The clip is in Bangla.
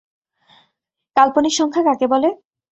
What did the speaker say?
কাল্পনিক সংখ্যা কাকে বলে?